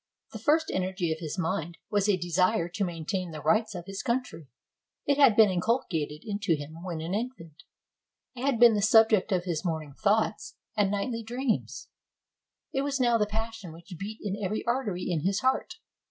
The first energy of his mind was a desire to maintain the rights of his country; it had been inculcated into him when an infant; it had been the subject of his morning thoughts and nightly dreams; it was now the passion which beat in every artery of his heart.